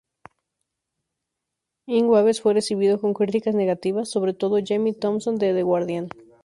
In Waves fue recibido con críticas negativas, sobre todo Jamie Thomson de The Guardian.